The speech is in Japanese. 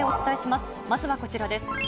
まずはこちらです。